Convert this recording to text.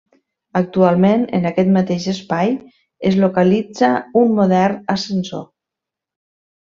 Actualment, en aquest mateix espai, es localitza un modern ascensor.